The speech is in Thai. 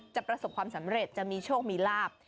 ประสบความสำเร็จจะมีโชคมีลาบ